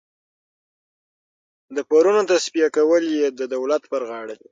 د پورونو تصفیه کول یې د دولت پر غاړه دي.